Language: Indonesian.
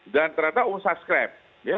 dan ternyata usaha scrap